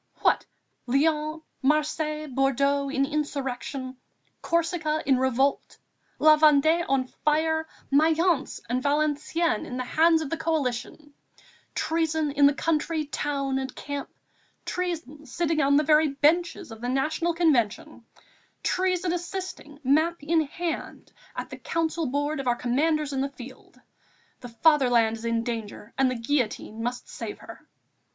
What! Lyons, Marseilles, Bordeaux in insurrection, Corsica in revolt, La Vendée on fire, Mayence and Valenciennes in the hands of the Coalition, treason in the country, town and camp, treason sitting on the very benches of the National Convention, treason assisting, map in hand, at the council board of our Commanders in the field!... The fatherland is in danger and the guillotine must save her!"